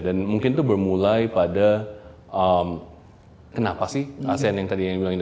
dan mungkin itu bermulai pada kenapa sih asean yang tadi ini ini